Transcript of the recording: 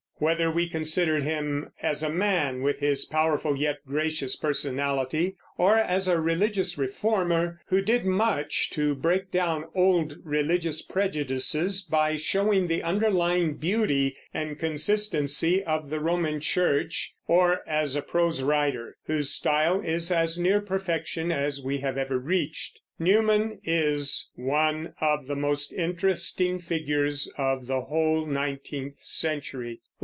Whether we consider him as a man, with his powerful yet gracious personality, or as a religious reformer, who did much to break down old religious prejudices by showing the underlying beauty and consistency of the Roman church, or as a prose writer whose style is as near perfection as we have ever reached, Newman is one of the most interesting figures of the whole nineteenth century.